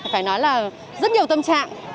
phải nói là rất nhiều tâm trạng